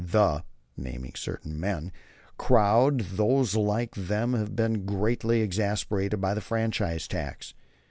The [naming certain men] crowd and those like them have been greatly exasperated by the franchise tax.